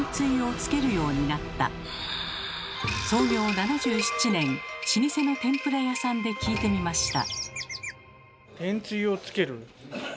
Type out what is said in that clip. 創業７７年老舗の天ぷら屋さんで聞いてみました。